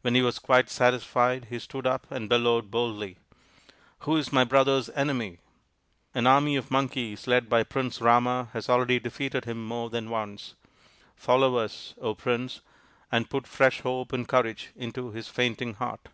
When he was quite satisfied he stood up and bellowed boldly :" Who is my brother's enemy ?"" An army of Monkeys led by Prince Rama has already defeated him more than once. Follow us, O Prince, and put fresh hope and courage into his fainting heart."